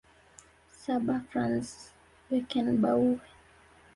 Saba Franz Beckenbaue